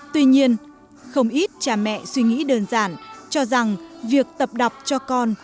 tuy nhiên không ít cha mẹ suy nghĩ đơn giản cho rằng việc tập đọc cho con